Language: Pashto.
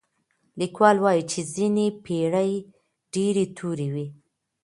ليکوال وايي چي ځينې پېړۍ ډېرې تورې وې.